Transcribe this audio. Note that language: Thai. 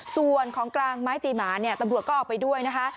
ส่วนของกลางไม้ตีหมาเนี่ยตำรวจก็เอาไปด้วยนะคะ